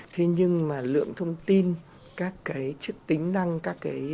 thế nhưng mà lượng thông tin các cái chức tính năng các cái dịch vụ